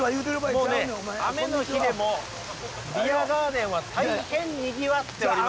雨の日でもビアガーデンは大変にぎわっております。